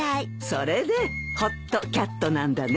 それでホットキャットなんだね。